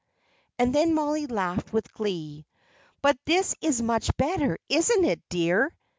And then Mollie laughed with glee. "But this is much better, isn't it, dear?"